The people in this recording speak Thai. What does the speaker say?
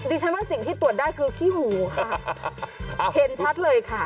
ฉันว่าสิ่งที่ตรวจได้คือขี้หูค่ะเห็นชัดเลยค่ะ